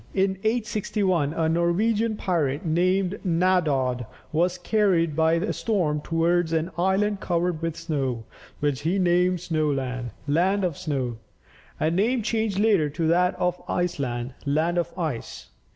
In 861 a Norwegian pirate, named Naddod, was carried by a storm towards an island covered with snow, which he named Snoland (land of snow), a name changed later to that of Iceland (land of ice).